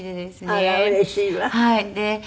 あらうれしいわ。